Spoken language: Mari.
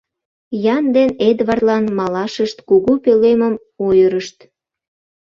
Ян ден Эдвардлан малашышт кугу пӧлемым ойырышт.